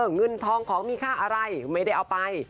เงินทองของมีค่าอะไรไม่ได้เอาไป